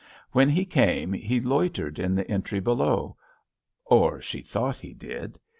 When he came he loitered in the entry below, or she thought he did.